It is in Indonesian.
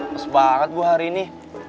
mes banget gue hari ini